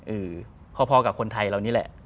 เออพอกับคนไทยเรานี่แหละ